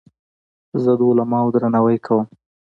زه د علماوو درناوی کوم.